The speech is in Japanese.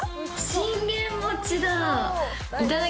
信玄餅だ。